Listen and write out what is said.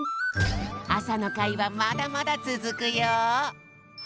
朝の会はまだまだつづくよ。